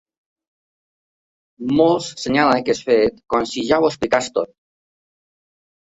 Molts assenyalen aquest fet com si ja ho expliqués tot.